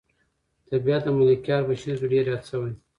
طبیعت د ملکیار په شعر کې ډېر یاد شوی.